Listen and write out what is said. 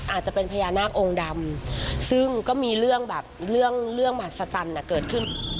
อาจจะเป็นพญานาคองค์ดำซึ่งก็มีเรื่องแบบเรื่องเรื่องมหัศจรรย์เกิดขึ้น